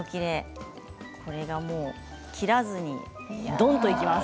これを切らずに、どんといきます。